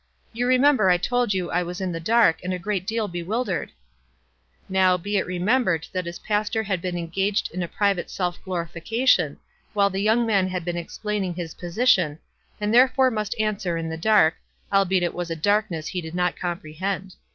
"You remember I told you I was in the dark, and a great deal bewildered. " WISE AND OTHERWISE. 207 Now, be it remembered that his pastor had been engaged in a private self glorification while the young man had been explaining his position, and therefore must answer in the dark, albeit it was a darkness he did not eomprehend.